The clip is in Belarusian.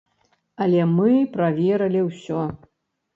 Але мы праверылі ўсё.